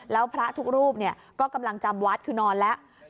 แล้วพระทุกรูปก็กำลังจำวัดคือนอนแล้ว